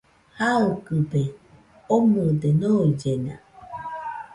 Jaɨkɨbe omɨde noillena